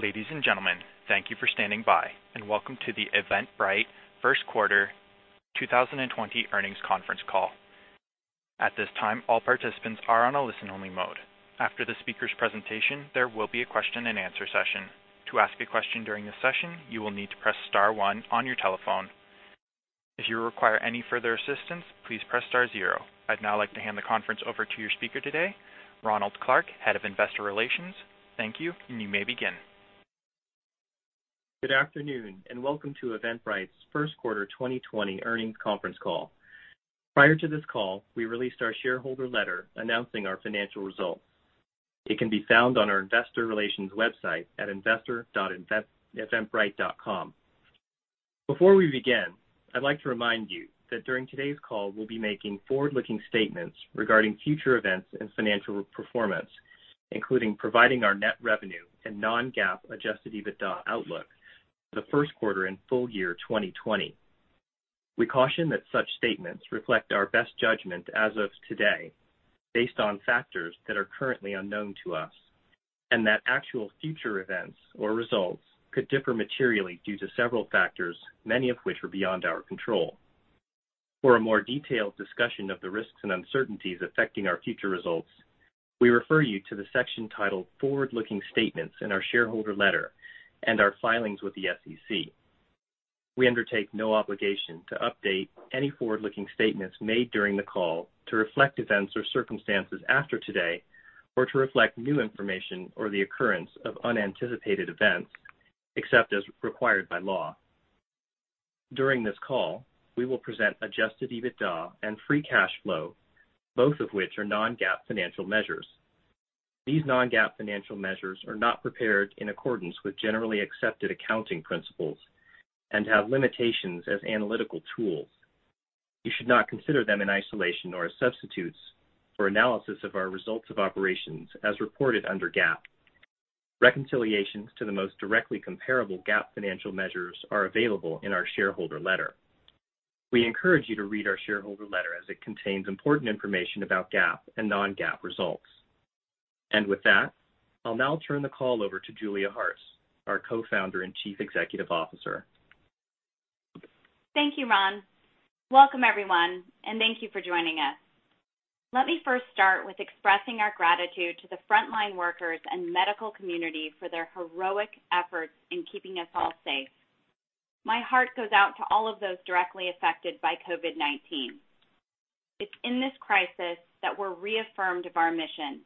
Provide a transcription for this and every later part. Ladies and gentlemen, thank you for standing by, and welcome to the Eventbrite First Quarter 2020 Earnings Conference call. At this time, all participants are on a listen-only mode. After the speaker's presentation, there will be a question-and-answer session. To ask a question during the session, you will need to press star one on your telephone. If you require any further assistance, please press star zero. I'd now like to hand the conference over to your speaker today, Ronald Clark, Head of Investor Relations. Thank you, and you may begin. Good afternoon, and welcome to Eventbrite's First Quarter 2020 Earnings Conference call. Prior to this call, we released our shareholder letter announcing our financial results. It can be found on our Investor Relations website at investor.eventbrite.com. Before we begin, I'd like to remind you that during today's call, we'll be making forward-looking statements regarding future events and financial performance, including providing our net revenue and non-GAAP Adjusted EBITDA outlook for the first quarter and full year 2020. We caution that such statements reflect our best judgment as of today, based on factors that are currently unknown to us, and that actual future events or results could differ materially due to several factors, many of which are beyond our control. For a more detailed discussion of the risks and uncertainties affecting our future results, we refer you to the section titled Forward-Looking Statements in our shareholder letter and our filings with the SEC. We undertake no obligation to update any forward-looking statements made during the call to reflect events or circumstances after today or to reflect new information or the occurrence of unanticipated events, except as required by law. During this call, we will present Adjusted EBITDA and Free Cash Flow, both of which are non-GAAP financial measures. These non-GAAP financial measures are not prepared in accordance with generally accepted accounting principles and have limitations as analytical tools. You should not consider them in isolation or as substitutes for analysis of our results of operations as reported under GAAP. Reconciliations to the most directly comparable GAAP financial measures are available in our shareholder letter. We encourage you to read our shareholder letter as it contains important information about GAAP and non-GAAP results, and with that, I'll now turn the call over to Julia Hartz, our Co-founder and Chief Executive Officer. Thank you, Ron. Welcome, everyone, and thank you for joining us. Let me first start with expressing our gratitude to the frontline workers and medical community for their heroic efforts in keeping us all safe. My heart goes out to all of those directly affected by COVID-19. It's in this crisis that we're reaffirmed of our mission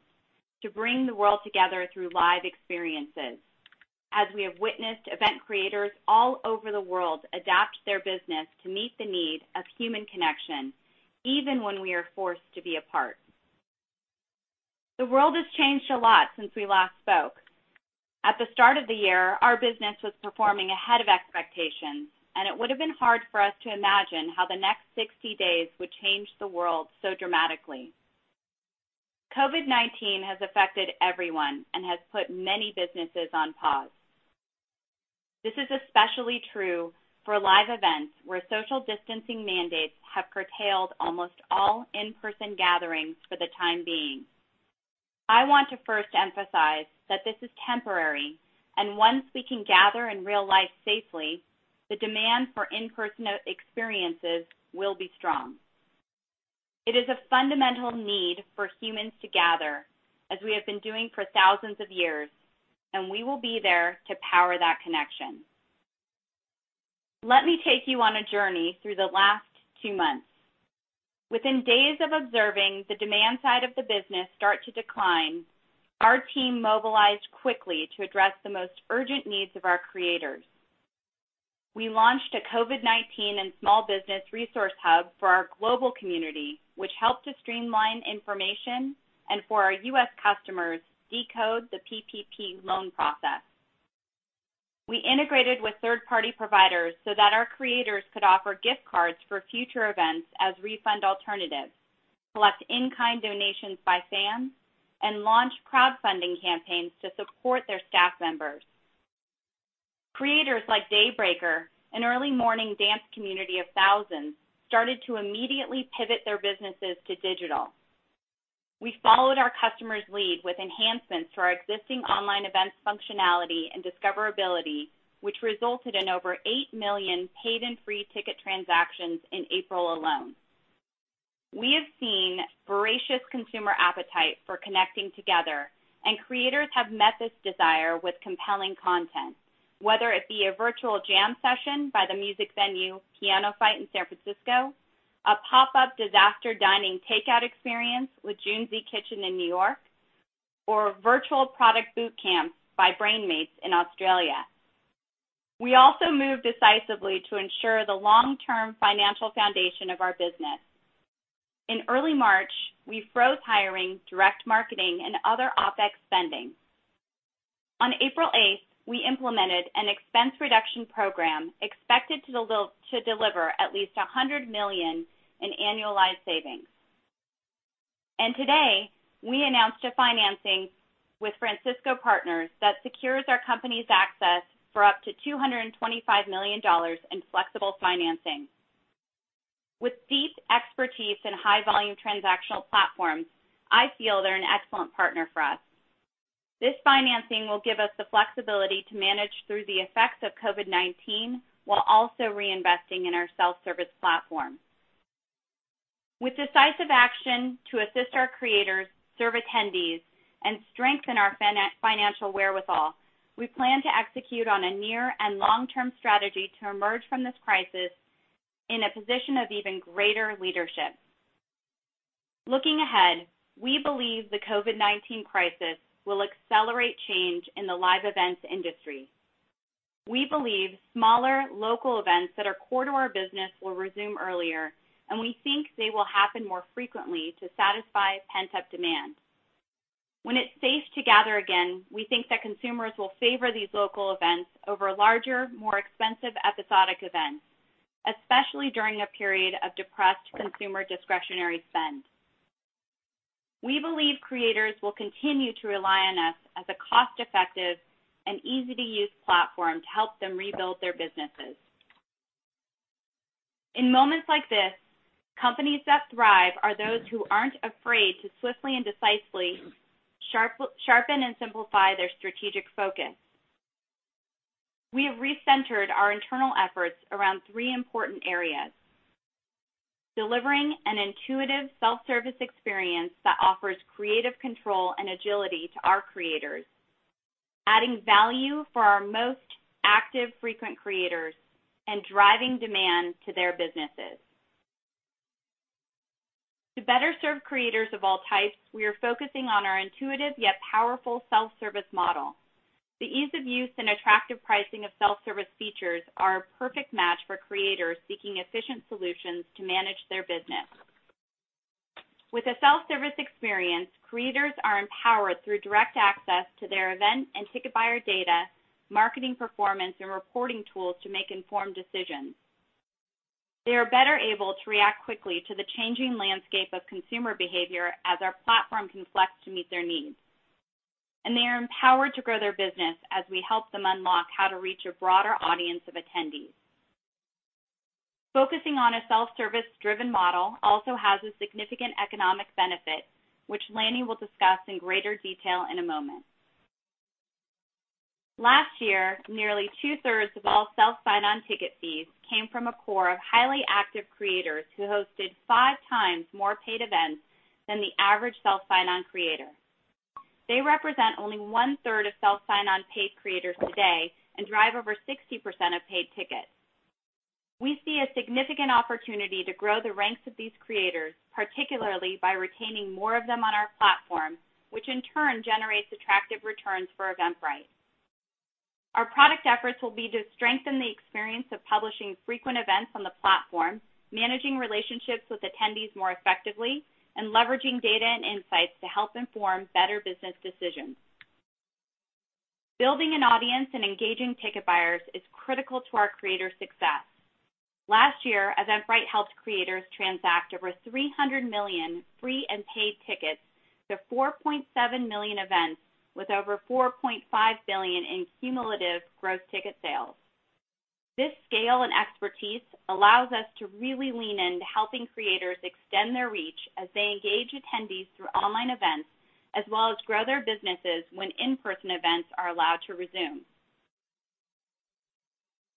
to bring the world together through live experiences, as we have witnessed event creators all over the world adapt their business to meet the need of human connection, even when we are forced to be apart. The world has changed a lot since we last spoke. At the start of the year, our business was performing ahead of expectations, and it would have been hard for us to imagine how the next 60 days would change the world so dramatically. COVID-19 has affected everyone and has put many businesses on pause. This is especially true for live events where social distancing mandates have curtailed almost all in-person gatherings for the time being. I want to first emphasize that this is temporary, and once we can gather in real life safely, the demand for in-person experiences will be strong. It is a fundamental need for humans to gather, as we have been doing for thousands of years, and we will be there to power that connection. Let me take you on a journey through the last two months. Within days of observing the demand side of the business start to decline, our team mobilized quickly to address the most urgent needs of our creators. We launched a COVID-19 and small business resource hub for our global community, which helped to streamline information and for our U.S. customers decode the PPP loan process. We integrated with third-party providers so that our creators could offer gift cards for future events as refund alternatives, collect in-kind donations by fans, and launch crowdfunding campaigns to support their staff members. Creators like Daybreaker, an early morning dance community of thousands, started to immediately pivot their businesses to digital. We followed our customers' lead with enhancements to our existing online events functionality and discoverability, which resulted in over eight million paid and free ticket transactions in April alone. We have seen voracious consumer appetite for connecting together, and creators have met this desire with compelling content, whether it be a virtual jam session by the music venue PianoFight in San Francisco, a pop-up disaster dining takeout experience with Junzi Kitchen in New York, or virtual product boot camps by Brainmates in Australia. We also moved decisively to ensure the long-term financial foundation of our business. In early March, we froze hiring, direct marketing, and other OpEx spending. On April 8th, we implemented an expense reduction program expected to deliver at least $100 million in annualized savings. And today, we announced a financing with Francisco Partners that secures our company's access for up to $225 million in flexible financing. With deep expertise in high-volume transactional platforms, I feel they're an excellent partner for us. This financing will give us the flexibility to manage through the effects of COVID-19 while also reinvesting in our self-service platform. With decisive action to assist our creators, serve attendees, and strengthen our financial wherewithal, we plan to execute on a near and long-term strategy to emerge from this crisis in a position of even greater leadership. Looking ahead, we believe the COVID-19 crisis will accelerate change in the live events industry. We believe smaller local events that are core to our business will resume earlier, and we think they will happen more frequently to satisfy pent-up demand. When it's safe to gather again, we think that consumers will favor these local events over larger, more expensive episodic events, especially during a period of depressed consumer discretionary spend. We believe creators will continue to rely on us as a cost-effective and easy-to-use platform to help them rebuild their businesses. In moments like this, companies that thrive are those who aren't afraid to swiftly and decisively sharpen and simplify their strategic focus. We have recentered our internal efforts around three important areas: delivering an intuitive self-service experience that offers creative control and agility to our creators, adding value for our most active, frequent creators, and driving demand to their businesses. To better serve creators of all types, we are focusing on our intuitive yet powerful self-service model. The ease of use and attractive pricing of self-service features are a perfect match for creators seeking efficient solutions to manage their business. With a self-service experience, creators are empowered through direct access to their event and ticket buyer data, marketing performance, and reporting tools to make informed decisions. They are better able to react quickly to the changing landscape of consumer behavior as our platform can flex to meet their needs, and they are empowered to grow their business as we help them unlock how to reach a broader audience of attendees. Focusing on a self-service-driven model also has a significant economic benefit, which Lanny will discuss in greater detail in a moment. Last year, nearly two-thirds of all self-sign-on ticket fees came from a core of highly active creators who hosted five times more paid events than the average self-sign-on creator. They represent only one-third of self-sign-on paid creators today and drive over 60% of paid tickets. We see a significant opportunity to grow the ranks of these creators, particularly by retaining more of them on our platform, which in turn generates attractive returns for Eventbrite. Our product efforts will be to strengthen the experience of publishing frequent events on the platform, managing relationships with attendees more effectively, and leveraging data and insights to help inform better business decisions. Building an audience and engaging ticket buyers is critical to our creator success. Last year, Eventbrite helped creators transact over 300 million free and paid tickets to 4.7 million events, with over 4.5 billion in cumulative gross ticket sales. This scale and expertise allows us to really lean into helping creators extend their reach as they engage attendees through online events, as well as grow their businesses when in-person events are allowed to resume.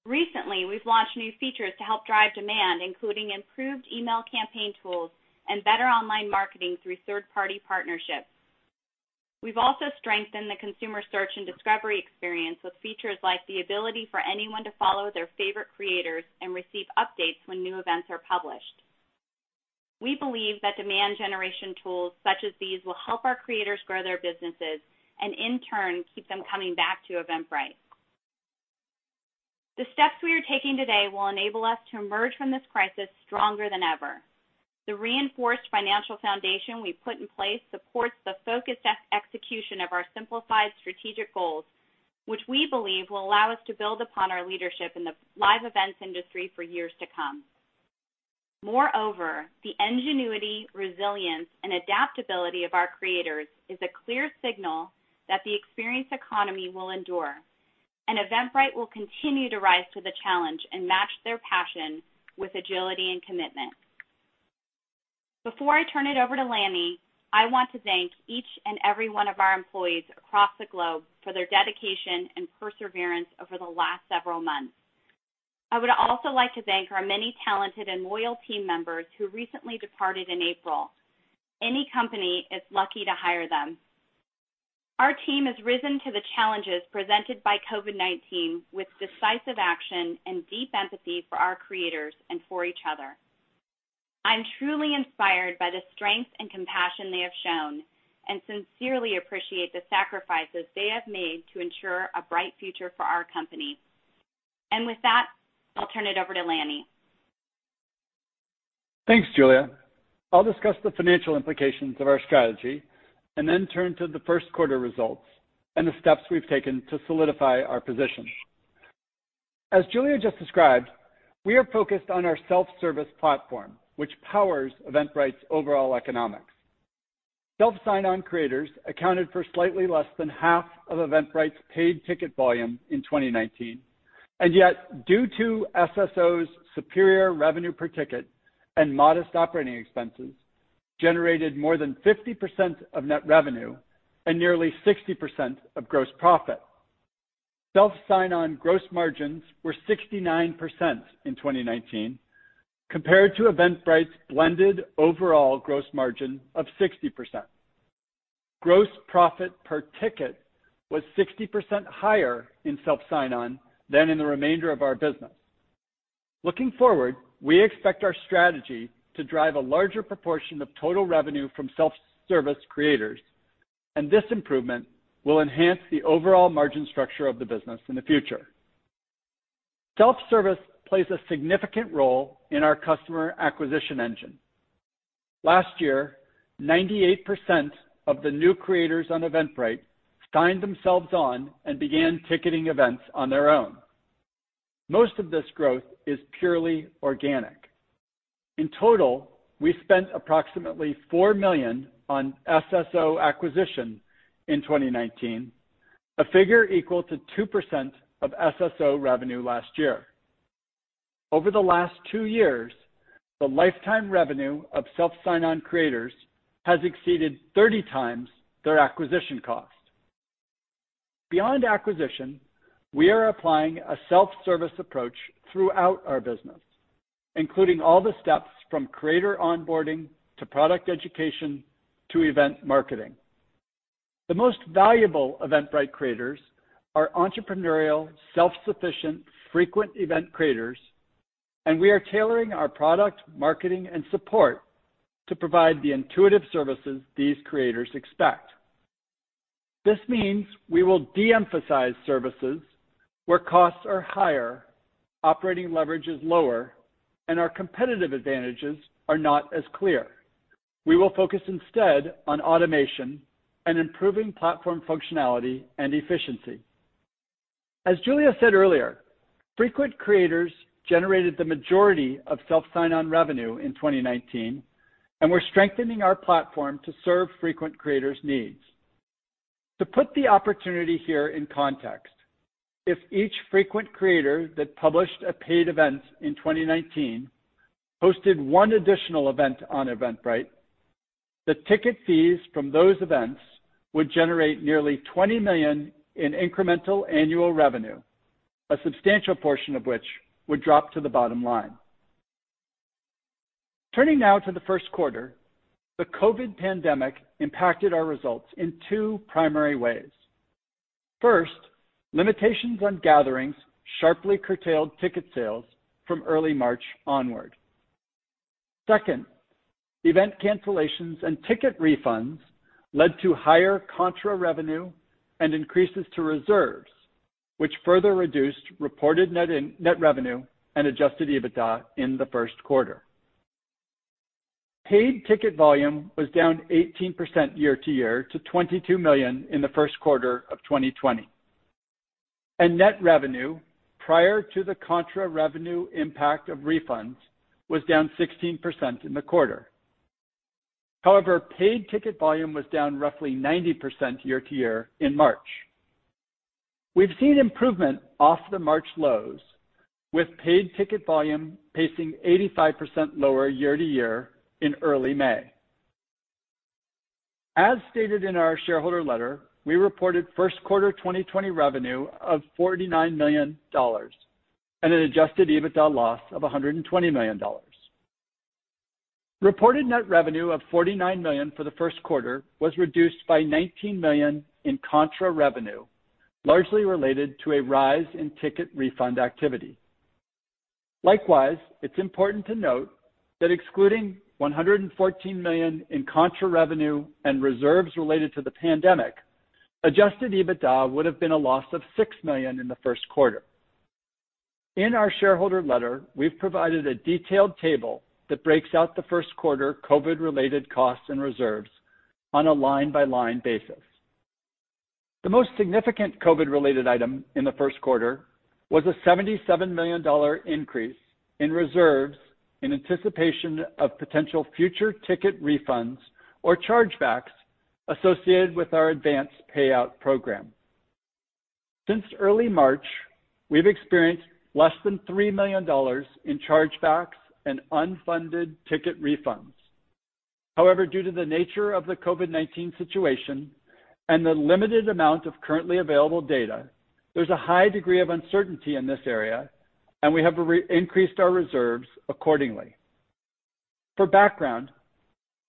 Recently, we've launched new features to help drive demand, including improved email campaign tools and better online marketing through third-party partnerships. We've also strengthened the consumer search and discovery experience with features like the ability for anyone to follow their favorite creators and receive updates when new events are published. We believe that demand generation tools such as these will help our creators grow their businesses and, in turn, keep them coming back to Eventbrite. The steps we are taking today will enable us to emerge from this crisis stronger than ever. The reinforced financial foundation we put in place supports the focused execution of our simplified strategic goals, which we believe will allow us to build upon our leadership in the live events industry for years to come. Moreover, the ingenuity, resilience, and adaptability of our creators is a clear signal that the experience economy will endure, and Eventbrite will continue to rise to the challenge and match their passion with agility and commitment. Before I turn it over to Lanny, I want to thank each and every one of our employees across the globe for their dedication and perseverance over the last several months. I would also like to thank our many talented and loyal team members who recently departed in April. Any company is lucky to hire them. Our team has risen to the challenges presented by COVID-19 with decisive action and deep empathy for our creators and for each other. I'm truly inspired by the strength and compassion they have shown and sincerely appreciate the sacrifices they have made to ensure a bright future for our company. And with that, I'll turn it over to Lanny. Thanks, Julia. I'll discuss the financial implications of our strategy and then turn to the first-quarter results and the steps we've taken to solidify our position. As Julia just described, we are focused on our self-service platform, which powers Eventbrite's overall economics. Self-sign-on creators accounted for slightly less than half of Eventbrite's paid ticket volume in 2019, and yet, due to SSO's superior revenue per ticket and modest operating expenses, generated more than 50% of net revenue and nearly 60% of gross profit. Self-sign-on gross margins were 69% in 2019, compared to Eventbrite's blended overall gross margin of 60%. Gross profit per ticket was 60% higher in self-sign-on than in the remainder of our business. Looking forward, we expect our strategy to drive a larger proportion of total revenue from self-service creators, and this improvement will enhance the overall margin structure of the business in the future. Self-service plays a significant role in our customer acquisition engine. Last year, 98% of the new creators on Eventbrite signed themselves on and began ticketing events on their own. Most of this growth is purely organic. In total, we spent approximately $4 million on SSO acquisition in 2019, a figure equal to 2% of SSO revenue last year. Over the last two years, the lifetime revenue of self-sign-on creators has exceeded 30 times their acquisition cost. Beyond acquisition, we are applying a self-service approach throughout our business, including all the steps from creator onboarding to product education to event marketing. The most valuable Eventbrite creators are entrepreneurial, self-sufficient, frequent event creators, and we are tailoring our product, marketing, and support to provide the intuitive services these creators expect. This means we will de-emphasize services where costs are higher, operating leverage is lower, and our competitive advantages are not as clear. We will focus instead on automation and improving platform functionality and efficiency. As Julia said earlier, frequent creators generated the majority of self-sign-on revenue in 2019, and we're strengthening our platform to serve frequent creators' needs. To put the opportunity here in context, if each frequent creator that published a paid event in 2019 hosted one additional event on Eventbrite, the ticket fees from those events would generate nearly $20 million in incremental annual revenue, a substantial portion of which would drop to the bottom line. Turning now to the first quarter, the COVID pandemic impacted our results in two primary ways. First, limitations on gatherings sharply curtailed ticket sales from early March onward. Second, event cancellations and ticket refunds led to higher contra revenue and increases to reserves, which further reduced reported net revenue and Adjusted EBITDA in the first quarter. Paid ticket volume was down 18% year-to-year to 22 million in the first quarter of 2020, and net revenue prior to the contra revenue impact of refunds was down 16% in the quarter. However, paid ticket volume was down roughly 90% year-to-year in March. We've seen improvement off the March lows, with paid ticket volume pacing 85% lower year-to-year in early May. As stated in our shareholder letter, we reported first quarter 2020 revenue of $49 million and an Adjusted EBITDA loss of $120 million. Reported net revenue of $49 million for the first quarter was reduced by $19 million in contra revenue, largely related to a rise in ticket refund activity. Likewise, it's important to note that excluding $114 million in contra revenue and reserves related to the pandemic, Adjusted EBITDA would have been a loss of $6 million in the first quarter. In our shareholder letter, we've provided a detailed table that breaks out the first quarter COVID-related costs and reserves on a line-by-line basis. The most significant COVID-related item in the first quarter was a $77 million increase in reserves in anticipation of potential future ticket refunds or chargebacks associated with our Advance Payout Program. Since early March, we've experienced less than $3 million in chargebacks and unfunded ticket refunds. However, due to the nature of the COVID-19 situation and the limited amount of currently available data, there's a high degree of uncertainty in this area, and we have increased our reserves accordingly. For background,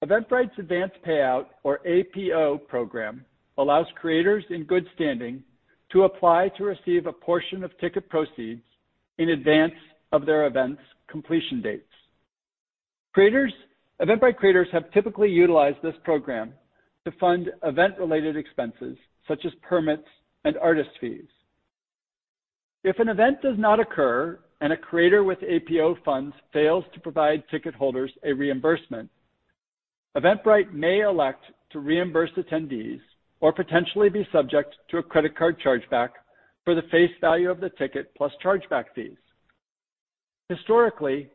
Eventbrite's advance payout, or APO, program allows creators in good standing to apply to receive a portion of ticket proceeds in advance of their event's completion dates. Eventbrite creators have typically utilized this program to fund event-related expenses such as permits and artist fees. If an event does not occur and a creator with APO funds fails to provide ticket holders a reimbursement, Eventbrite may elect to reimburse attendees or potentially be subject to a credit card chargeback for the face value of the ticket plus chargeback fees. Historically,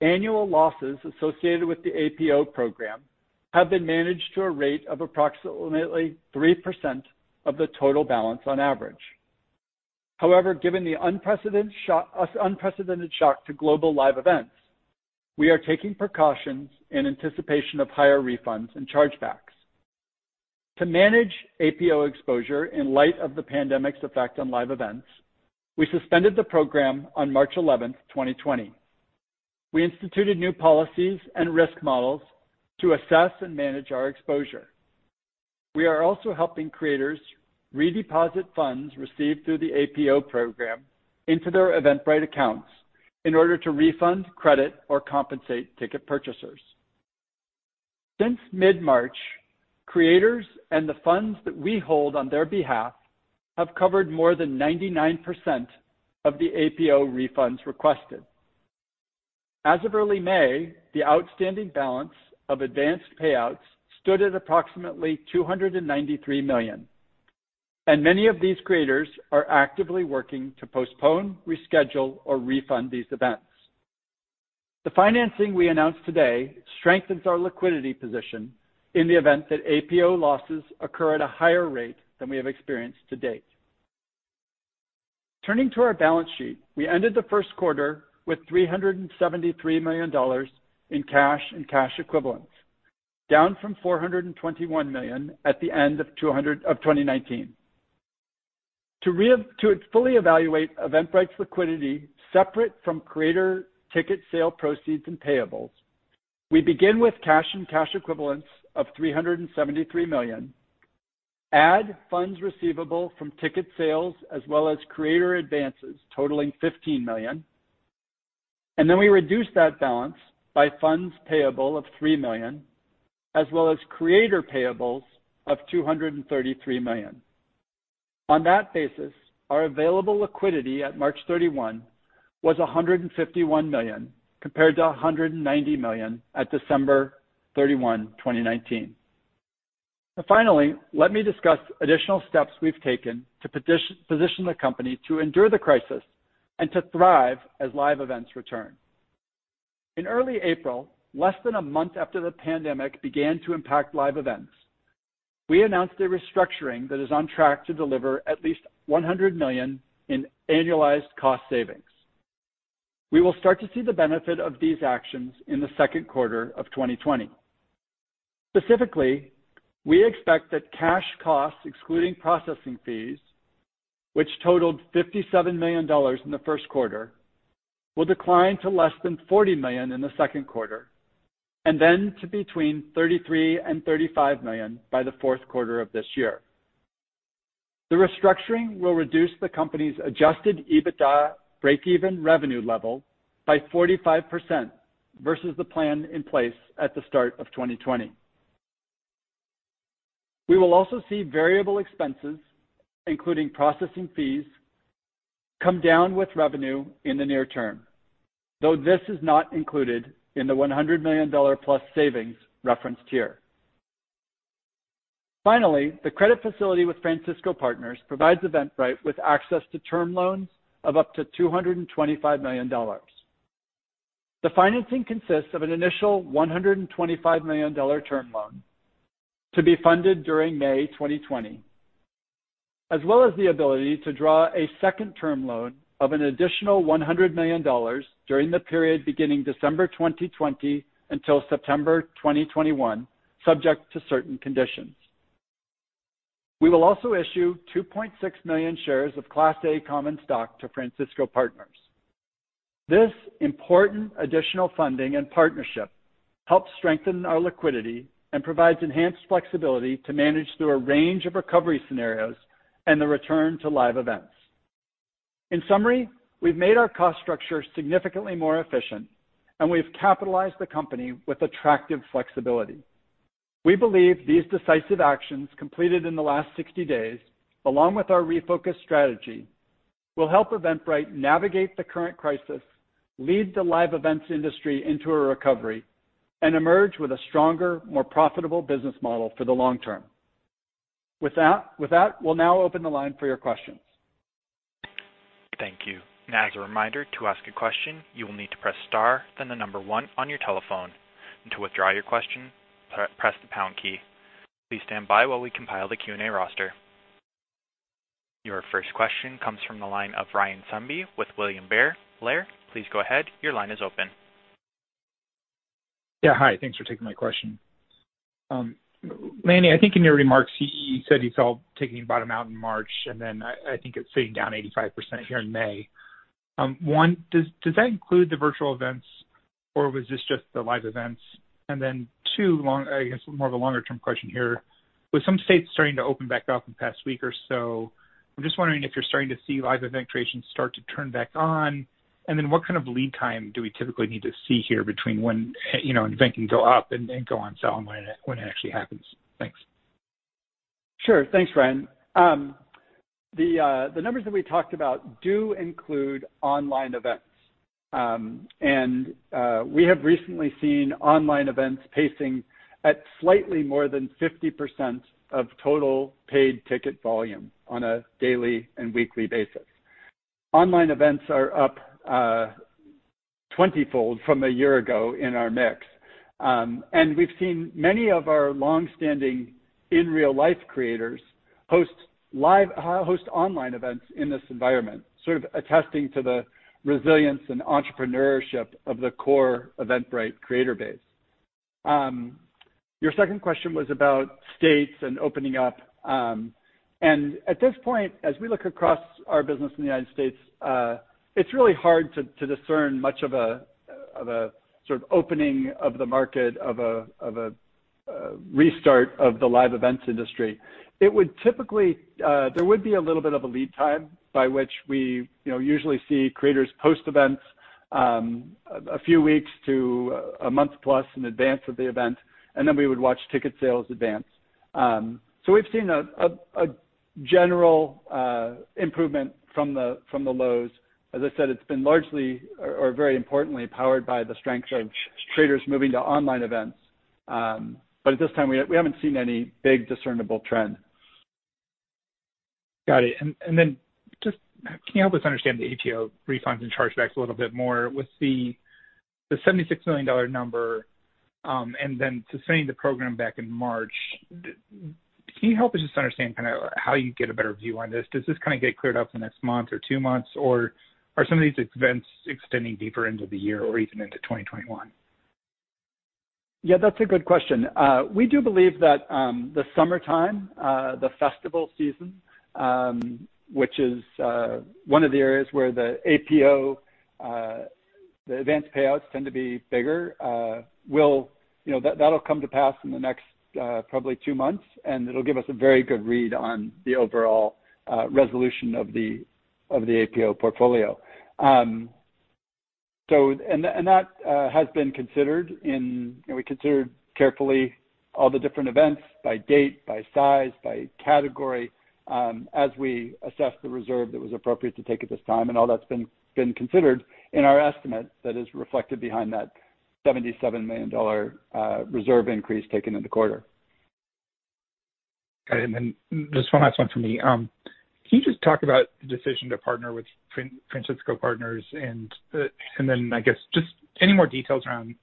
annual losses associated with the APO program have been managed to a rate of approximately 3% of the total balance on average. However, given the unprecedented shock to global live events, we are taking precautions in anticipation of higher refunds and chargebacks. To manage APO exposure in light of the pandemic's effect on live events, we suspended the program on March 11, 2020. We instituted new policies and risk models to assess and manage our exposure. We are also helping creators redeposit funds received through the APO program into their Eventbrite accounts in order to refund, credit, or compensate ticket purchasers. Since mid-March, creators and the funds that we hold on their behalf have covered more than 99% of the APO refunds requested. As of early May, the outstanding balance of advanced payouts stood at approximately $293 million, and many of these creators are actively working to postpone, reschedule, or refund these events. The financing we announced today strengthens our liquidity position in the event that APO losses occur at a higher rate than we have experienced to date. Turning to our balance sheet, we ended the first quarter with $373 million in cash and cash equivalents, down from $421 million at the end of 2019. To fully evaluate Eventbrite's liquidity separate from creator ticket sale proceeds and payables, we begin with cash and cash equivalents of $373 million, add funds receivable from ticket sales as well as creator advances totaling $15 million, and then we reduce that balance by funds payable of $3 million, as well as creator payables of $233 million. On that basis, our available liquidity at March 31 was $151 million compared to $190 million at December 31, 2019. Finally, let me discuss additional steps we've taken to position the company to endure the crisis and to thrive as live events return. In early April, less than a month after the pandemic began to impact live events, we announced a restructuring that is on track to deliver at least $100 million in annualized cost savings. We will start to see the benefit of these actions in the second quarter of 2020. Specifically, we expect that cash costs, excluding processing fees, which totaled $57 million in the first quarter, will decline to less than $40 million in the second quarter, and then to between $33 and $35 million by the fourth quarter of this year. The restructuring will reduce the company's Adjusted EBITDA break-even revenue level by 45% versus the plan in place at the start of 2020. We will also see variable expenses, including processing fees, come down with revenue in the near term, though this is not included in the $100 million plus savings referenced here. Finally, the credit facility with Francisco Partners provides Eventbrite with access to term loans of up to $225 million. The financing consists of an initial $125 million term loan to be funded during May 2020, as well as the ability to draw a second term loan of an additional $100 million during the period beginning December 2020 until September 2021, subject to certain conditions. We will also issue 2.6 million shares of Class A Common Stock to Francisco Partners. This important additional funding and partnership helps strengthen our liquidity and provides enhanced flexibility to manage through a range of recovery scenarios and the return to live events. In summary, we've made our cost structure significantly more efficient, and we've capitalized the company with attractive flexibility. We believe these decisive actions completed in the last 60 days, along with our refocused strategy, will help Eventbrite navigate the current crisis, lead the live events industry into a recovery, and emerge with a stronger, more profitable business model for the long term. With that, we'll now open the line for your questions. Thank you. Now, as a reminder, to ask a question, you will need to press star, then the number one on your telephone. To withdraw your question, press the pound key. Please stand by while we compile the Q&A roster. Your first question comes from the line of Ryan Sundby with William Blair. Please go ahead. Your line is open. Yeah, hi. Thanks for taking my question. Lanny, I think in your remarks, you said you saw ticketing bottom out in March, and then I think it's still down 85% here in May. One, does that include the virtual events, or was this just the live events? And then two, I guess more of a longer-term question here. With some states starting to open back up in the past week or so, I'm just wondering if you're starting to see live event creations start to turn back on, and then what kind of lead time do we typically need to see here between when an event can go up and go on sale and when it actually happens? Thanks. Sure. Thanks, Ryan. The numbers that we talked about do include online events, and we have recently seen online events pacing at slightly more than 50% of total paid ticket volume on a daily and weekly basis. Online events are up 20-fold from a year ago in our mix, and we've seen many of our longstanding in-real-life creators host online events in this environment, sort of attesting to the resilience and entrepreneurship of the core Eventbrite creator base. Your second question was about states and opening up. And at this point, as we look across our business in the United States, it's really hard to discern much of a sort of opening of the market, of a restart of the live events industry. It would typically be a little bit of a lead time by which we usually see creators post events a few weeks to a month plus in advance of the event, and then we would watch ticket sales advance. So we've seen a general improvement from the lows. As I said, it's been largely or very importantly powered by the strength of creators moving to online events, but at this time, we haven't seen any big discernible trend. Got it. And then just can you help us understand the APO refunds and chargebacks a little bit more? With the $76 million number and then suspending the program back in March, can you help us just understand kind of how you get a better view on this? Does this kind of get cleared up in the next month or two months, or are some of these events extending deeper into the year or even into 2021? Yeah, that's a good question. We do believe that the summertime, the festival season, which is one of the areas where the APO, the advance payouts tend to be bigger, that'll come to pass in the next probably two months, and it'll give us a very good read on the overall resolution of the APO portfolio. And that has been considered. We considered carefully all the different events by date, by size, by category as we assessed the reserve that was appropriate to take at this time, and all that's been considered in our estimate that is reflected behind that $77 million reserve increase taken in the quarter. Got it. And then just one last one from me. Can you just talk about the decision to partner with Francisco Partners and then, I guess, just any more details around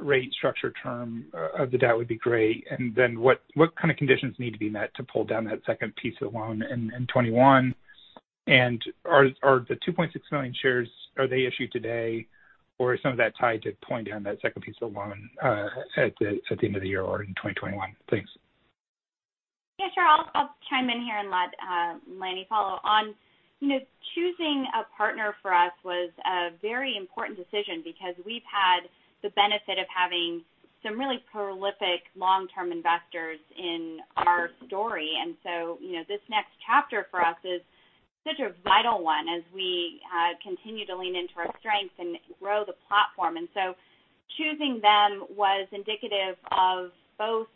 rate, structure, term of the debt would be great, and then what kind of conditions need to be met to pull down that second piece of the loan in 2021? And are the 2.6 million shares issued today, or is some of that tied to pulling down that second piece of the loan at the end of the year or in 2021? Thanks. Yeah, sure. I'll chime in here and let Lanny follow on. Choosing a partner for us was a very important decision because we've had the benefit of having some really prolific long-term investors in our story, and so this next chapter for us is such a vital one as we continue to lean into our strengths and grow the platform. And so choosing them was indicative of both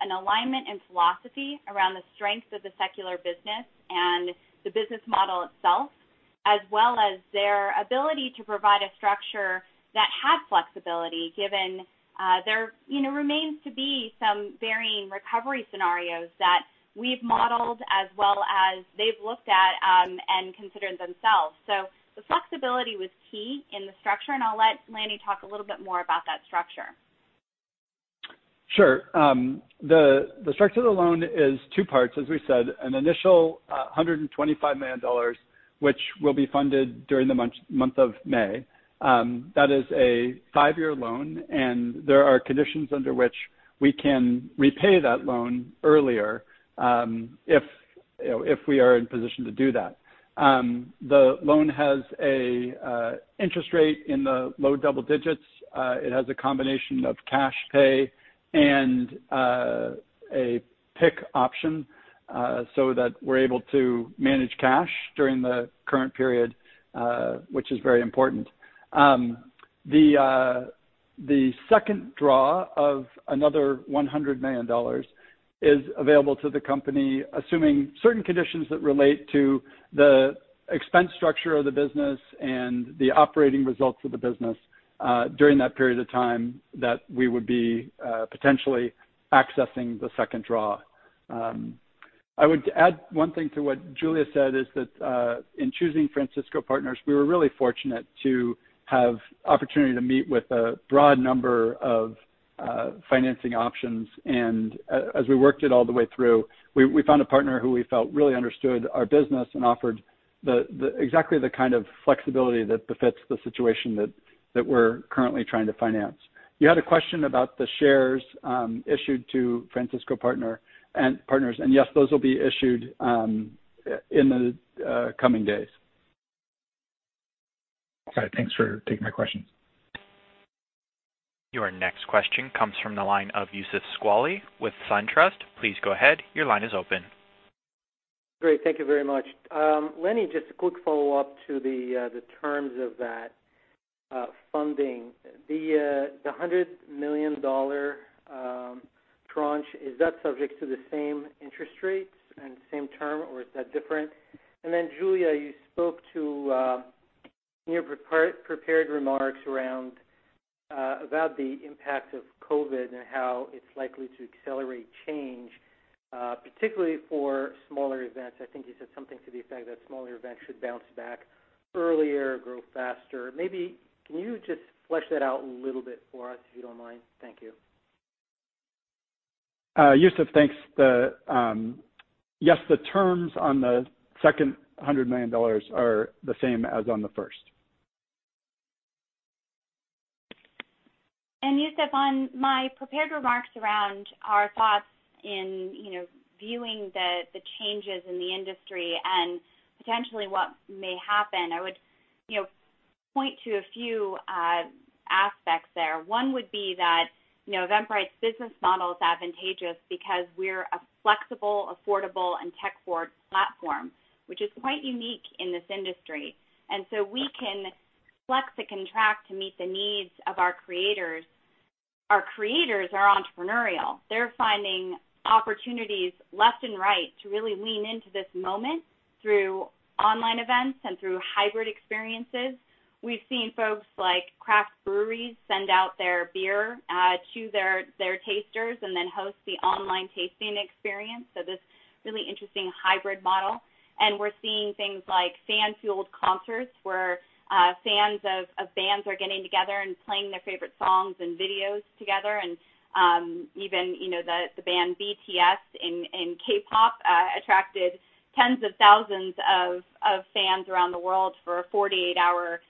an alignment and philosophy around the strength of the secular business and the business model itself, as well as their ability to provide a structure that had flexibility given there remains to be some varying recovery scenarios that we've modeled as well as they've looked at and considered themselves. So the flexibility was key in the structure, and I'll let Lanny talk a little bit more about that structure. Sure. The structure of the loan is two parts, as we said. An initial $125 million, which will be funded during the month of May. That is a five-year loan, and there are conditions under which we can repay that loan earlier if we are in position to do that. The loan has an interest rate in the low double digits. It has a combination of cash pay and a PIK option so that we're able to manage cash during the current period, which is very important. The second draw of another $100 million is available to the company, assuming certain conditions that relate to the expense structure of the business and the operating results of the business during that period of time that we would be potentially accessing the second draw. I would add one thing to what Julia said, is that in choosing Francisco Partners, we were really fortunate to have the opportunity to meet with a broad number of financing options, and as we worked it all the way through, we found a partner who we felt really understood our business and offered exactly the kind of flexibility that befits the situation that we're currently trying to finance. You had a question about the shares issued to Francisco Partners, and yes, those will be issued in the coming days. All right. Thanks for taking my questions. Your next question comes from the line of Youssef Squali with SunTrust. Please go ahead. Your line is open. Great. Thank you very much. Lanny, just a quick follow-up to the terms of that funding. The $100 million tranche, is that subject to the same interest rates and same term, or is that different? And then Julia, you spoke to in your prepared remarks about the impact of COVID and how it's likely to accelerate change, particularly for smaller events. I think you said something to the effect that smaller events should bounce back earlier, grow faster. Maybe can you just flesh that out a little bit for us, if you don't mind? Thank you. Youssef, thanks. Yes, the terms on the second $100 million are the same as on the first. And Youssef, on my prepared remarks around our thoughts in viewing the changes in the industry and potentially what may happen, I would point to a few aspects there. One would be that Eventbrite's business model is advantageous because we're a flexible, affordable, and tech-forward platform, which is quite unique in this industry. And so we can flex the contract to meet the needs of our creators. Our creators are entrepreneurial. They're finding opportunities left and right to really lean into this moment through online events and through hybrid experiences. We've seen folks like Craft Breweries send out their beer to their tasters and then host the online tasting experience. So this really interesting hybrid model. And we're seeing things like fan-fueled concerts where fans of bands are getting together and playing their favorite songs an d videos together. And even the band BTS in K-pop attracted tens of thousands of fans around the world for a 48-hour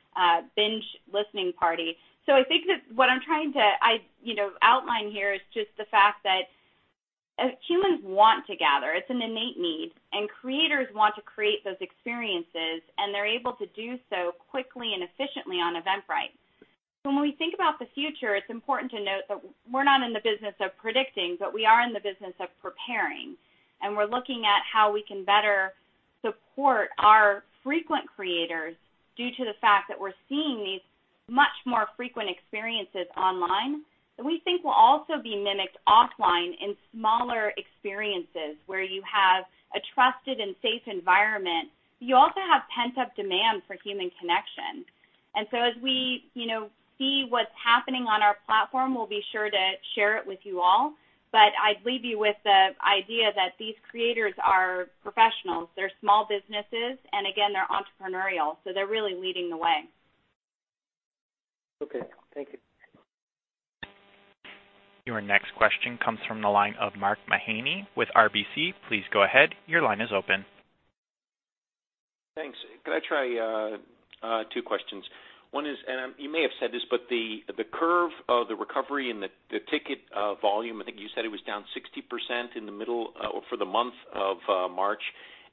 binge listening party. So I think that what I'm trying to outline here is just the fact that humans want to gather. It's an innate need, and creators want to create those experiences, and they're able to do so quickly and efficiently on Eventbrite. So when we think about the future, it's important to note that we're not in the business of predicting, but we are in the business of preparing, and we're looking at how we can better support our frequent creators due to the fact that we're seeing these much more frequent experiences online that we think will also be mimicked offline in smaller experiences where you have a trusted and safe environment, but you also have pent-up demand for human connection. And so as we see what's happening on our platform, we'll be sure to share it with you all, but I'd leave you with the idea that these creators are professionals. They're small businesses, and again, they're entrepreneurial, so they're really leading the way. Okay. Thank you. Your next question comes from the line of Mark Mahaney with RBC. Please go ahead. Your line is open. Thanks. Can I try two questions? One is, and you may have said this, but the curve of the recovery and the ticket volume, I think you said it was down 60% in the middle or for the month of March.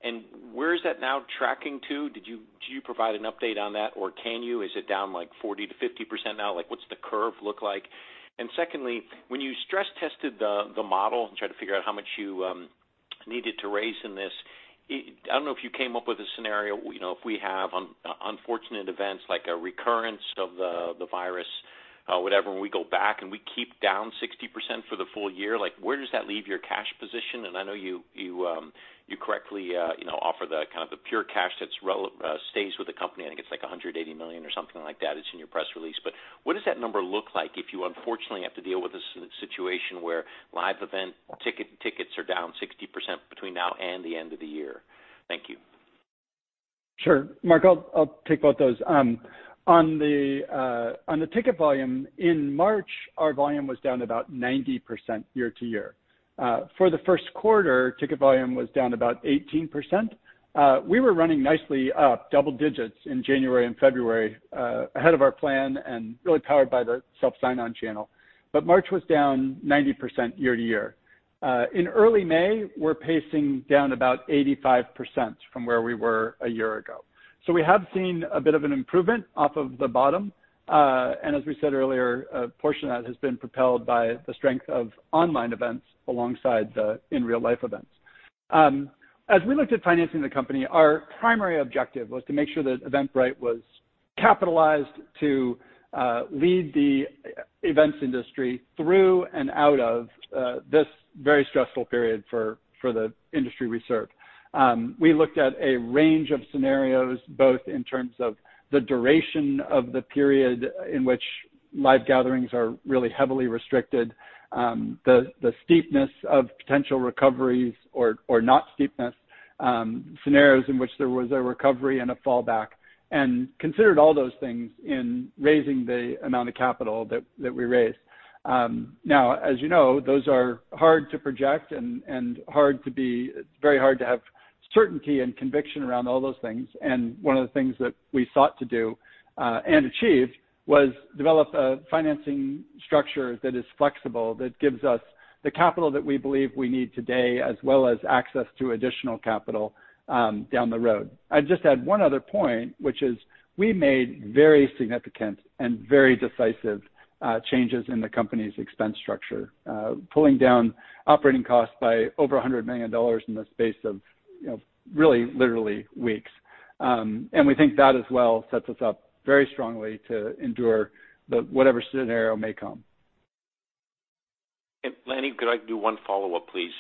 And where is that now tracking to? Did you provide an update on that, or can you? Is it down like 40%-50% now? What's the curve look like? And secondly, when you stress-tested the model and tried to figure out how much you needed to raise in this, I don't know if you came up with a scenario. If we have unfortunate events like a recurrence of the virus, whatever, and we go back and we keep down 60% for the full year, where does that leave your cash position? And I know you correctly offer the kind of the pure cash that stays with the company. I think it's like 180 million or something like that. It's in your press release. But what does that number look like if you unfortunately have to deal with a situation where live event tickets are down 60% between now and the end of the year? Thank you. Sure. Mark, I'll take both those. On the ticket volume, in March, our volume was down about 90% year-to-year. For the first quarter, ticket volume was down about 18%. We were running nicely up, double digits in January and February, ahead of our plan and really powered by the self-sign-on channel, but March was down 90% year-to-year. In early May, we're pacing down about 85% from where we were a year ago, so we have seen a bit of an improvement off of the bottom. And as we said earlier, a portion of that has been propelled by the strength of online events alongside the in-real-life events. As we looked at financing the company, our primary objective was to make sure that Eventbrite was capitalized to lead the events industry through and out of this very stressful period for the industry we serve. We looked at a range of scenarios, both in terms of the duration of the period in which live gatherings are really heavily restricted, the steepness of potential recoveries or not steepness, scenarios in which there was a recovery and a fallback, and considered all those things in raising the amount of capital that we raised. Now, as you know, those are hard to project and very hard to have certainty and conviction around all those things. And one of the things that we sought to do and achieve was develop a financing structure that is flexible, that gives us the capital that we believe we need today as well as access to additional capital down the road. I'd just add one other point, which is we made very significant and very decisive changes in the company's expense structure, pulling down operating costs by over $100 million in the space of really, literally weeks. And we think that as well sets us up very strongly to endure whatever scenario may come. Lanny, could I do one follow-up, please?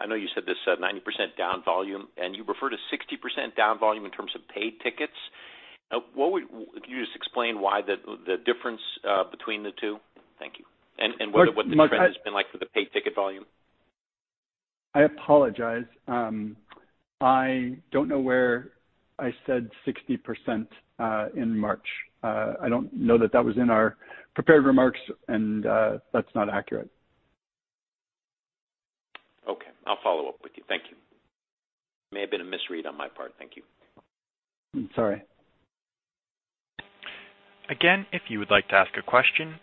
I know you said this 90% down volume, and you refer to 60% down volume in terms of paid tickets. Can you just explain why the difference between the two? Thank you. And what the trend has been like for the paid ticket volume? I apologize. I don't know where I said 60% in March. I don't know that that was in our prepared remarks, and that's not accurate. Okay. I'll follow up with you. Thank you. May have been a misread on my part. Thank you. I'm sorry. Again, if you would like to ask a question,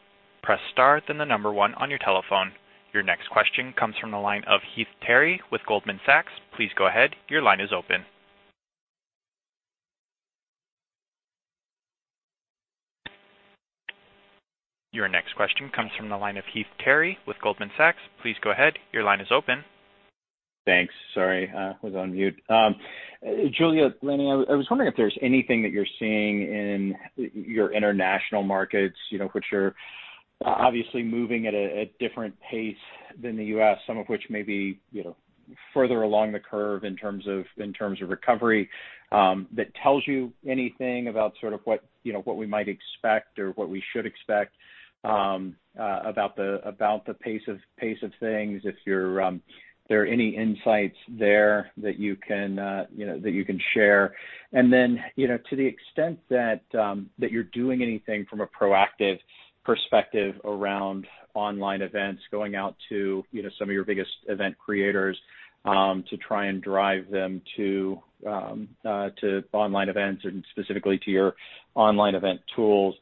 press star, then the number one on your telephone. Your next question comes from the line of Heath Terry with Goldman Sachs. Please go ahead. Your line is open. Your next question comes from the line of Heath Terry with Goldman Sachs. Please go ahead. Your line is open. Thanks. Sorry. I was on mute. Julia, Lanny, I was wondering if there's anything that you're seeing in your international markets, which are obviously moving at a different pace than the U.S., some of which may be further along the curve in terms of recovery that tells you anything about sort of what we might expect or what we should expect about the pace of things? If there are any insights there that you can share? And then to the extent that you're doing anything from a proactive perspective around online events, going out to some of your biggest event creators to try and drive them to online events and specifically to your online event tools,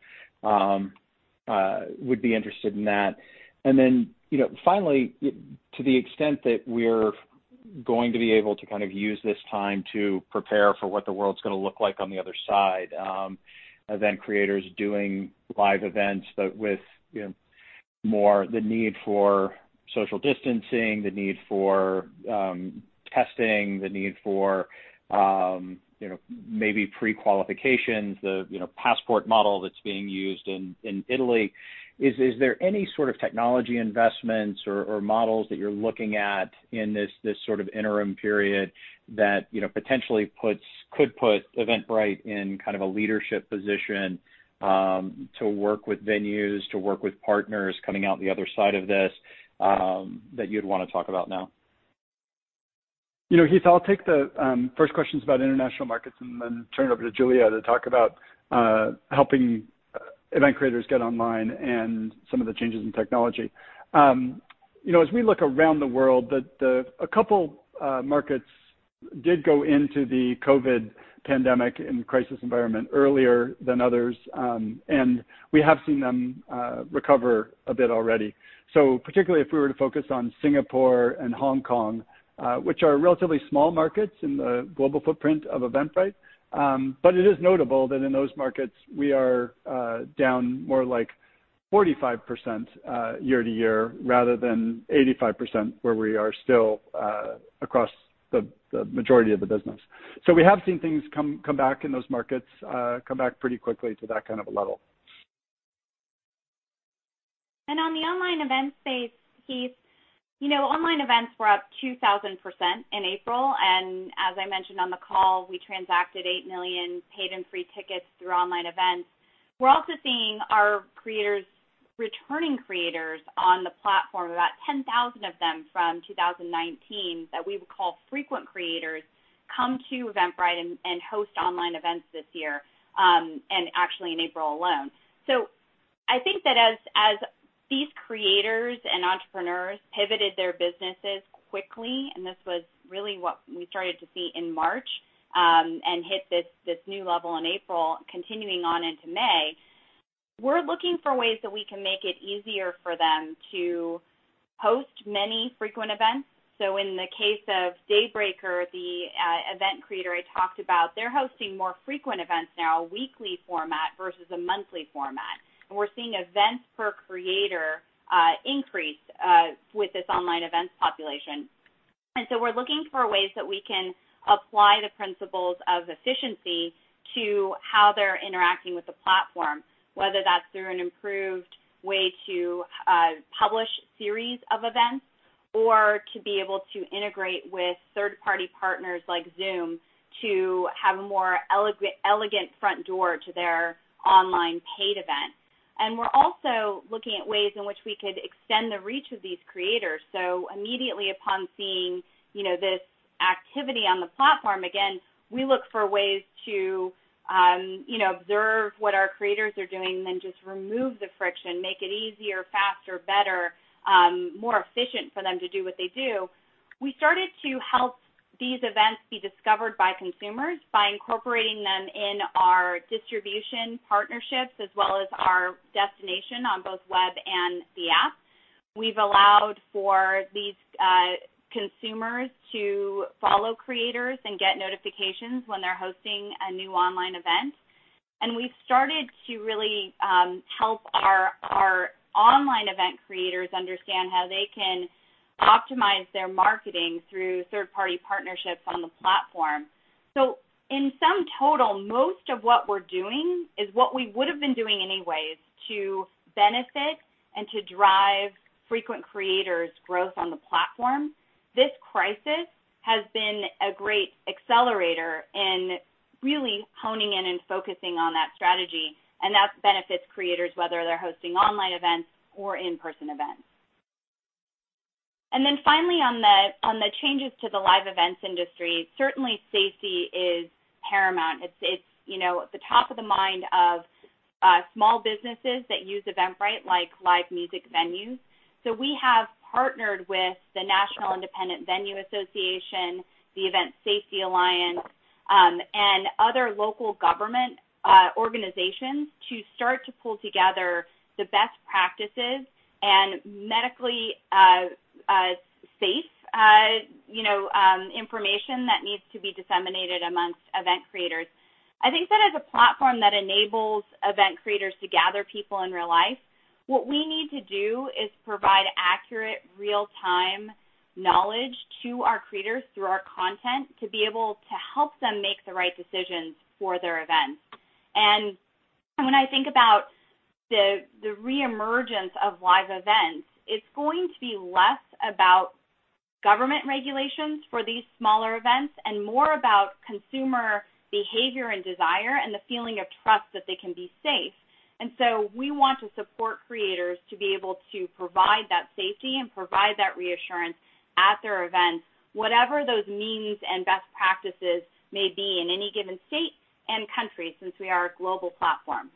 would be interested in that. And then finally, to the extent that we're going to be able to kind of use this time to prepare for what the world's going to look like on the other side, event creators doing live events with more the need for social distancing, the need for testing, the need for maybe pre-qualifications, the passport model that's being used in Italy. Is there any sort of technology investments or models that you're looking at in this sort of interim period that potentially could put Eventbrite in kind of a leadership position to work with venues, to work with partners coming out the other side of this that you'd want to talk about now? Heath, I'll take the first questions about international markets and then turn it over to Julia to talk about helping event creators get online and some of the changes in technology. As we look around the world, a couple markets did go into the COVID pandemic and crisis environment earlier than others, and we have seen them recover a bit already. So particularly if we were to focus on Singapore and Hong Kong, which are relatively small markets in the global footprint of Eventbrite, but it is notable that in those markets, we are down more like 45% year-to-year rather than 85% where we are still across the majority of the business. So we have seen things come back in those markets, come back pretty quickly to that kind of a level. And on the online event space, Heath, online events were up 2,000% in April. And as I mentioned on the call, we transacted 8 million paid and free tickets through online events. We're also seeing our creators, returning creators on the platform, about 10,000 of them from 2019 that we would call frequent creators, come to Eventbrite and host online events this year, and actually in April alone. So I think that as these creators and entrepreneurs pivoted their businesses quickly, and this was really what we started to see in March and hit this new level in April, continuing on into May, we're looking for ways that we can make it easier for them to host many frequent events. So in the case of Daybreaker, the event creator I talked about, they're hosting more frequent events now, a weekly format versus a monthly format. And we're seeing events per creator increase with this online events population. And so we're looking for ways that we can apply the principles of efficiency to how they're interacting with the platform, whether that's through an improved way to publish series of events or to be able to integrate with third-party partners like Zoom to have a more elegant front door to their online paid event. We're also looking at ways in which we could extend the reach of these creators. Immediately upon seeing this activity on the platform, again, we look for ways to observe what our creators are doing and then just remove the friction, make it easier, faster, better, more efficient for them to do what they do. We started to help these events be discovered by consumers by incorporating them in our distribution partnerships as well as our destination on both web and the app. We've allowed for these consumers to follow creators and get notifications when they're hosting a new online event. We've started to really help our online event creators understand how they can optimize their marketing through third-party partnerships on the platform. So in sum total, most of what we're doing is what we would have been doing anyways to benefit and to drive frequent creators' growth on the platform. This crisis has been a great accelerator in really honing in and focusing on that strategy, and that benefits creators whether they're hosting online events or in-person events. And then finally, on the changes to the live events industry, certainly safety is paramount. It's at the top of the mind of small businesses that use Eventbrite, like live music venues. So we have partnered with the National Independent Venue Association, the Event Safety Alliance, and other local government organizations to start to pull together the best practices and medically safe information that needs to be disseminated amongst event creators. I think that as a platform that enables event creators to gather people in real life, what we need to do is provide accurate, real-time knowledge to our creators through our content to be able to help them make the right decisions for their events. And when I think about the reemergence of live events, it's going to be less about government regulations for these smaller events and more about consumer behavior and desire and the feeling of trust that they can be safe. And so we want to support creators to be able to provide that safety and provide that reassurance at their events, whatever those means and best practices may be in any given state and country since we are a global platform.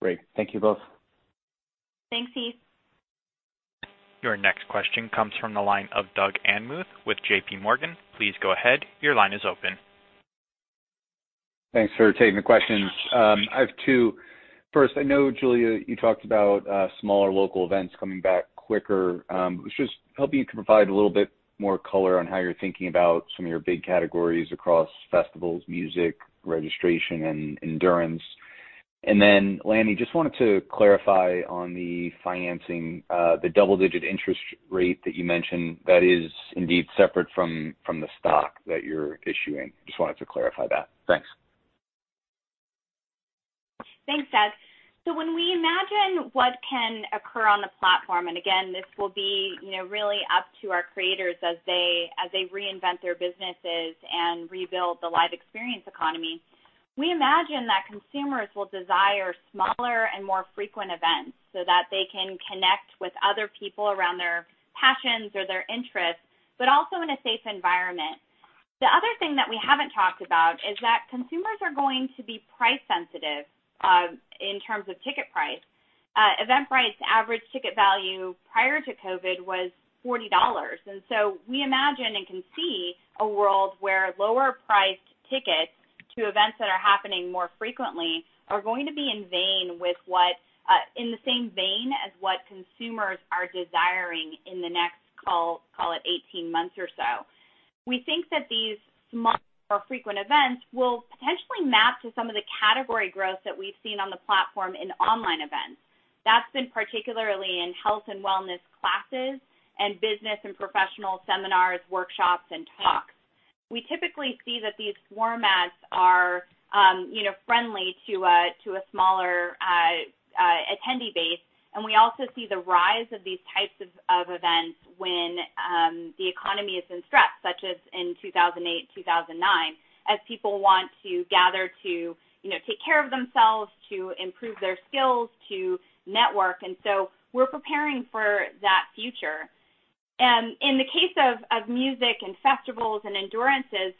Great. Thank you both. Thanks, Heath. Your next question comes from the line of Doug Anmuth with JPMorgan. Please go ahead. Your line is open. Thanks for taking the questions. I have two. First, I know, Julia, you talked about smaller local events coming back quicker. I was just hoping you could provide a little bit more color on how you're thinking about some of your big categories across festivals, music, registration, and endurance. And then, Lanny, just wanted to clarify on the financing, the double-digit interest rate that you mentioned that is indeed separate from the stock that you're issuing. Just wanted to clarify that. Thanks. Thanks, Doug. So when we imagine what can occur on the platform, and again, this will be really up to our creators as they reinvent their businesses and rebuild the live experience economy, we imagine that consumers will desire smaller and more frequent events so that they can connect with other people around their passions or their interests, but also in a safe environment. The other thing that we haven't talked about is that consumers are going to be price-sensitive in terms of ticket price. Eventbrite's average ticket value prior to COVID was $40. And so we imagine and can see a world where lower-priced tickets to events that are happening more frequently are going to be in line with what, in the same vein as, what consumers are desiring in the next, call it, 18 months or so. We think that these smaller, more frequent events will potentially map to some of the category growth that we've seen on the platform in online events. That's been particularly in health and wellness classes and business and professional seminars, workshops, and talks. We typically see that these formats are friendly to a smaller attendee base. And we also see the rise of these types of events when the economy is in stress, such as in 2008, 2009, as people want to gather to take care of themselves, to improve their skills, to network. And so we're preparing for that future. In the case of music and festivals and endurances,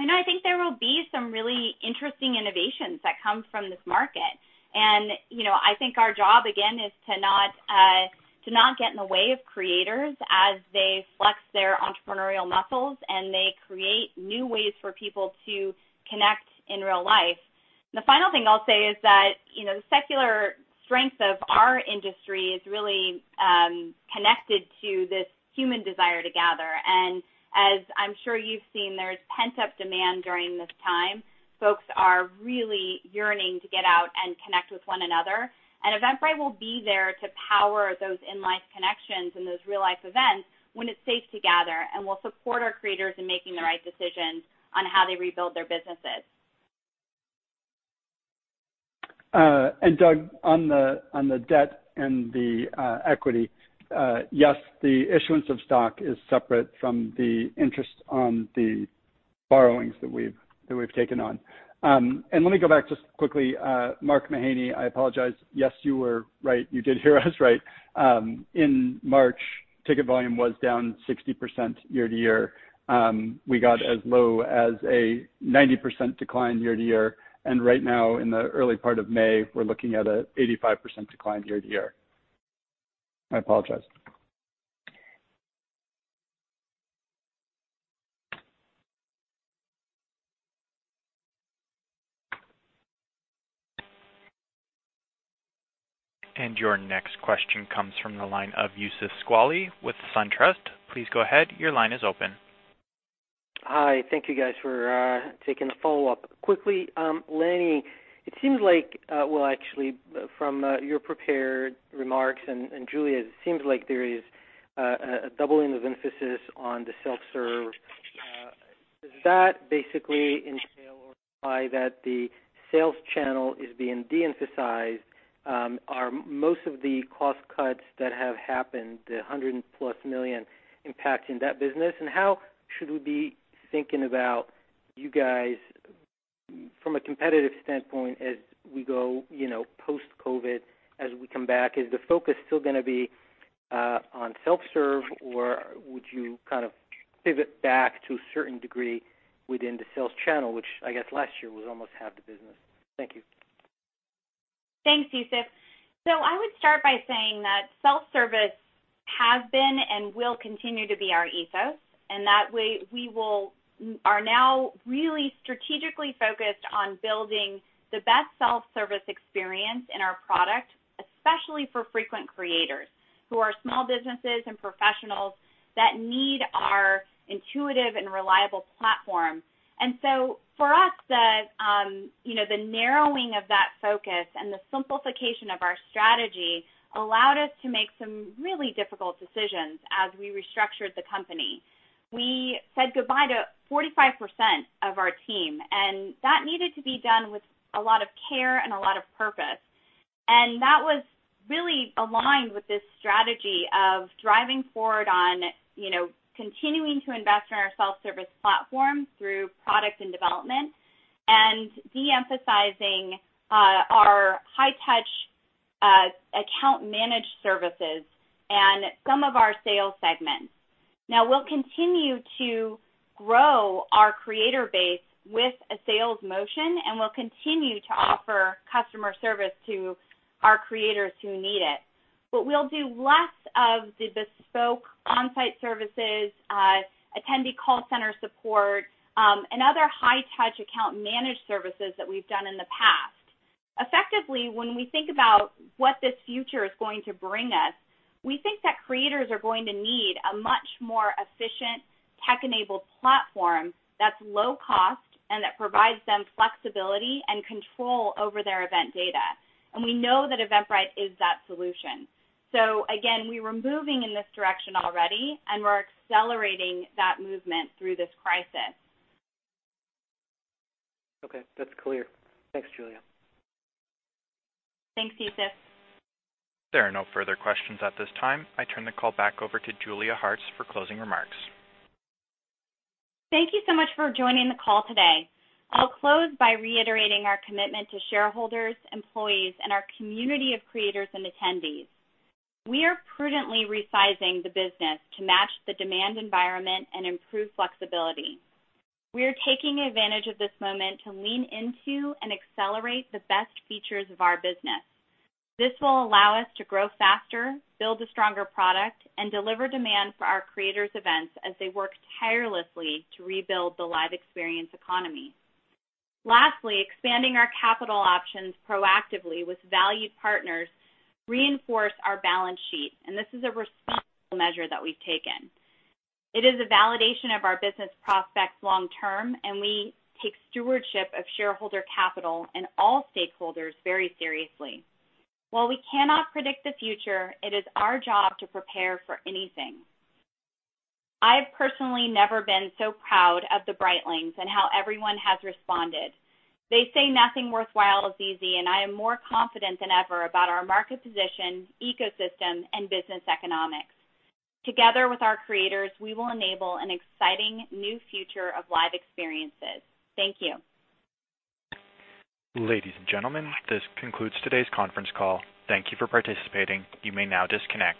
I think there will be some really interesting innovations that come from this market. And I think our job, again, is to not get in the way of creators as they flex their entrepreneurial muscles and they create new ways for people to connect in real life. The final thing I'll say is that the secular strength of our industry is really connected to this human desire to gather. And as I'm sure you've seen, there's pent-up demand during this time. Folks are really yearning to get out and connect with one another. And Eventbrite will be there to power those in-life connections and those real-life events when it's safe to gather and will support our creators in making the right decisions on how they rebuild their businesses. And Doug, on the debt and the equity, yes, the issuance of stock is separate from the interest on the borrowings that we've taken on. And let me go back just quickly. Mark Mahaney, I apologize. Yes, you were right. You did hear us right. In March, ticket volume was down 60% year-to-year. We got as low as a 90% decline year-to-year. And right now, in the early part of May, we're looking at an 85% decline year-to-year. I apologize. And your next question comes from the line of Youssef Squali with SunTrust. Please go ahead. Your line is open. Hi. Thank you, guys, for taking the follow-up. Quickly, Lanny, it seems like, well, actually, from your prepared remarks and Julia's, it seems like there is a doubling of emphasis on the self-serve. Does that basically entail or imply that the sales channel is being de-emphasized? Are most of the cost cuts that have happened, the $100-plus million, impacting that business? And how should we be thinking about you guys from a competitive standpoint as we go post-COVID, as we come back? Is the focus still going to be on self-serve, or would you kind of pivot back to a certain degree within the sales channel, which I guess last year was almost half the business? Thank you. Thanks, Youssef. So I would start by saying that self-service has been and will continue to be our ethos, and that we are now really strategically focused on building the best self-service experience in our product, especially for frequent creators who are small businesses and professionals that need our intuitive and reliable platform. And so for us, the narrowing of that focus and the simplification of our strategy allowed us to make some really difficult decisions as we restructured the company. We said goodbye to 45% of our team, and that needed to be done with a lot of care and a lot of purpose. And that was really aligned with this strategy of driving forward on continuing to invest in our self-service platform through product and development and de-emphasizing our high-touch account-managed services and some of our sales segments. Now, we'll continue to grow our creator base with a sales motion, and we'll continue to offer customer service to our creators who need it. But we'll do less of the bespoke on-site services, attendee call center support, and other high-touch account-managed services that we've done in the past. Effectively, when we think about what this future is going to bring us, we think that creators are going to need a much more efficient tech-enabled platform that's low-cost and that provides them flexibility and control over their event data, and we know that Eventbrite is that solution, so again, we were moving in this direction already, and we're accelerating that movement through this crisis. Okay. That's clear. Thanks, Julia. Thanks, Youssef. There are no further questions at this time. I turn the call back over to Julia Hartz for closing remarks. Thank you so much for joining the call today. I'll close by reiterating our commitment to shareholders, employees, and our community of creators and attendees. We are prudently resizing the business to match the demand environment and improve flexibility. We are taking advantage of this moment to lean into and accelerate the best features of our business. This will allow us to grow faster, build a stronger product, and deliver demand for our creators' events as they work tirelessly to rebuild the live experience economy. Lastly, expanding our capital options proactively with valued partners reinforces our balance sheet, and this is a responsible measure that we've taken. It is a validation of our business prospects long-term, and we take stewardship of shareholder capital and all stakeholders very seriously. While we cannot predict the future, it is our job to prepare for anything. I have personally never been so proud of the Britelings and how everyone has responded. They say nothing worthwhile is easy, and I am more confident than ever about our market position, ecosystem, and business economics. Together with our creators, we will enable an exciting new future of live experiences. Thank you. Ladies and gentlemen, this concludes today's conference call. Thank you for participating. You may now disconnect.